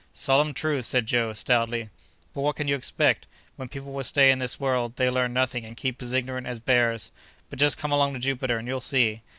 "Solemn truth!" said Joe, stoutly. "But what can you expect? When people will stay in this world, they learn nothing and keep as ignorant as bears. But just come along to Jupiter and you'll see.